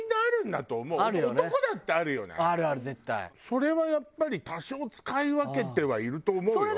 それはやっぱり多少使い分けてはいると思うよ。